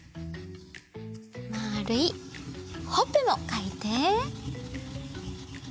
まるいほっぺもかいて。